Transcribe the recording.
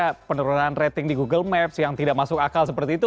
ada penurunan rating di google maps yang tidak masuk akal seperti itu